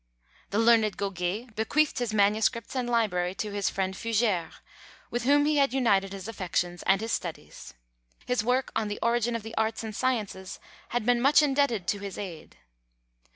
The learned Goguet bequeathed his MSS. and library to his friend Fugere, with whom he had united his affections and his studies. His work on the "Origin of the Arts and Sciences" had been much indebted to his aid.